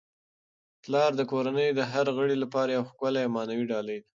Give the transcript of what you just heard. پلار د کورنی د هر غړي لپاره یو ښکلی او معنوي ډالۍ ده.